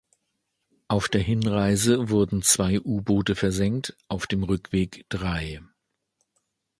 Auf der Hinreise wurden zwei U-Boote versenkt, auf dem Rückweg drei.